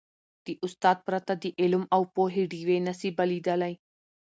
د استاد پرته، د علم او پوهې ډېوي نه سي بلېدلی.